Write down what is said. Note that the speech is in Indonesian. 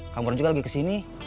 kamu kan juga lagi kesini